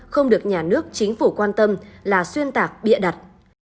không được nhà nước chính phủ quan tâm là xuyên tạc bịa đặt